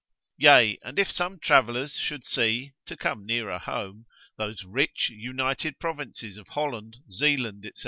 Yea, and if some travellers should see (to come nearer home) those rich, united provinces of Holland, Zealand, &c.